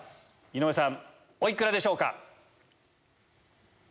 井上さんお幾らでしょうか？